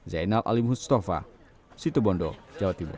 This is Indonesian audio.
zainal alim hustafa situ bondo jawa timur